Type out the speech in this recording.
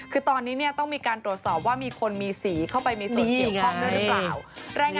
คือตอนนี้ต้องมีการตรวจสอบว่ามีคนมีสีเข้าไปมีสีเกี่ยวข้องด้วยหรือเปล่า